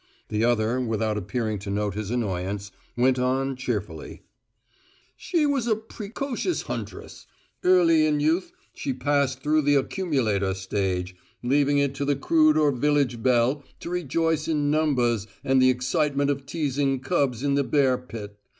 The other, without appearing to note his annoyance, went on, cheerfully: "She was a precocious huntress: early in youth she passed through the accumulator stage, leaving it to the crude or village belle to rejoice in numbers and the excitement of teasing cubs in the bear pit.